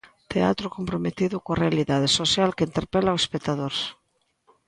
Teatro comprometido coa realidade social que interpela ao espectador.